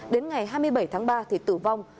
đến ngày hai mươi bảy tháng ba thì tử vong